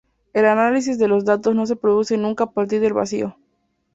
El análisis de los datos no se produce nunca a partir del vacío.